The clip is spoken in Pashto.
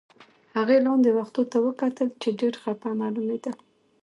هغې لاندې و ختو ته وکتل، چې ډېر خپه معلومېدل.